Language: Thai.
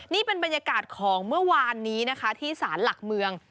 นี่เป็นบรรยากาศของเมื่อวานนี้นะคะที่สารหลักเมือง